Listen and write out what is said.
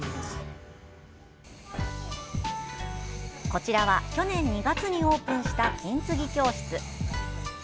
こちらは、去年２月にオープンした金継ぎ教室。